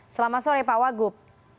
selamat sore pak wagup